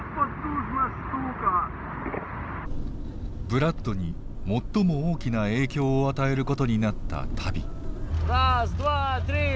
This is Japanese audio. ブラッドに最も大きな影響を与えることになった旅。